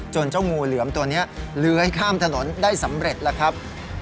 เจ้างูเหลือมตัวนี้เลื้อยข้ามถนนได้สำเร็จแล้วครับ